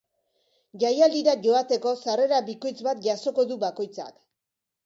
Jaialdira joateko sarrera bikoitz bat jasoko du bakoitzak.